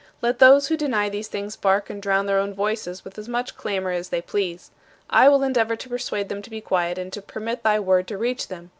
Let those who deny these things bark and drown their own voices with as much clamor as they please. I will endeavor to persuade them to be quiet and to permit thy word to reach them.